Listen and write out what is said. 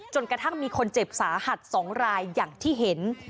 กระทั่งมีคนเจ็บสาหัส๒รายอย่างที่เห็น